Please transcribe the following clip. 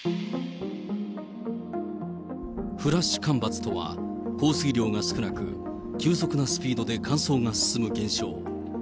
フラッシュ干ばつとは、降水量が少なく、急速なスピードで乾燥が進む現象。